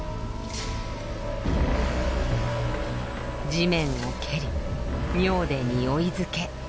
地面を蹴り尿でにおい付け。